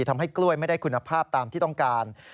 ทำให้กล้วยไม่ได้คุณภาพตามที่ต้องการ